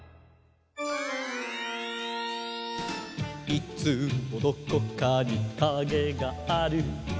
「いつもどこかにカゲがある」